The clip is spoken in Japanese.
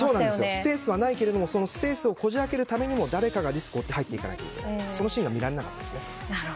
スペースはないんですがスペースをこじ開けるためにも誰かがリスクを負ってこじ開けるというそのシーンが見られなかったですね。